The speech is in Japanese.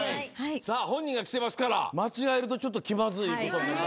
本人が来てますから間違えるとちょっと気まずいことに。